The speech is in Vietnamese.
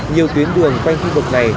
nhiều tuyến đường quanh thi vực này